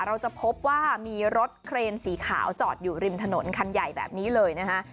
เราจะพบว่ามีรถเครนสีขาวจอดอยู่ริมถนนคันใหญ่แบบนี้เลยนะฮะ